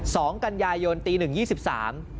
สองกันยายนตีหนึ่งยี่สิบสาม